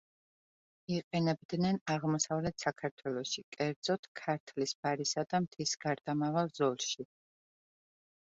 იყენებდნენ აღმოსავლეთ საქართველოში, კერძოდ, ქართლის ბარისა და მთის გარდამავალ ზოლში.